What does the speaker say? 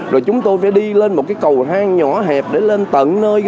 rồi chúng tôi phải đi lên một cái cầu thang nhỏ hẹp để lên tận nơi